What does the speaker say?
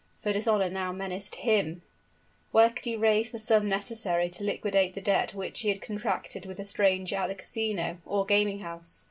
For dishonor now menaced him! Where could he raise the sum necessary to liquidate the debt which he had contracted with the stranger at the Casino, or gaming house?